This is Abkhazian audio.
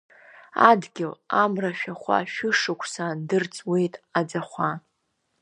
Адгьыл, амра ашәахәа Шәышықәса андырҵуеит аӡахәа.